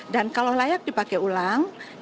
dan kalau layak dipakai ulang kita harus memakai dia